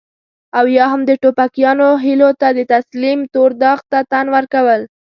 او يا هم د ټوپکيانو هيلو ته د تسليم تور داغ ته تن ورکول.